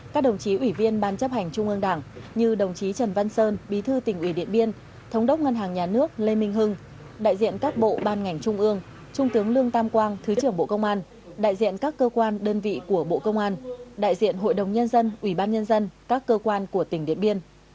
các đồng chí ủy viên ban chấp hành trung ương đảng như đồng chí trần văn sơn bí thư tỉnh ủy điện biên thống đốc ngân hàng nhà nước lê minh hưng đại diện các bộ ban ngành trung ương trung tướng lương tam quang thứ trưởng bộ công an đại diện các cơ quan đơn vị của bộ công an đại diện hội đồng nhân dân ủy ban nhân dân các cơ quan của tỉnh điện biên